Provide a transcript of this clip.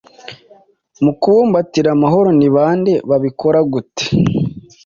mu kubumbatira amahoro ni bande? Babikora gute?